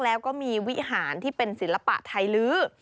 แล้วก็มีวิหารที่เป็นศิลปะไทยลื้อ